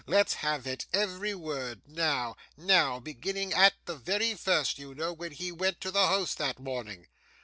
Let's have it every word now now beginning at the very first, you know, when he went to the house that morning!